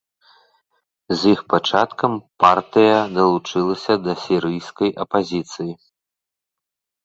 З іх пачаткам партыя далучылася да сірыйскай апазіцыі.